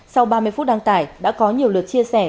sau ba mươi phút đăng tải đã có nhiều lượt chia sẻ